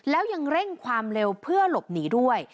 แล้วยังเร่งความเร็วเพื่อหลบหนีด้วย